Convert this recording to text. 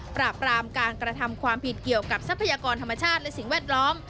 ปราบรามการกระทำความผิดเกี่ยวกับทรัพยากรธรรมชาติและสิ่งแวดล้อม